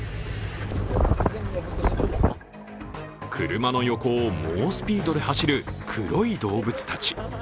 車の横を猛スピードで走る黒い動物たち。